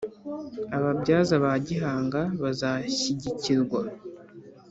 ababyaza ba gihanga bazashyigikirwa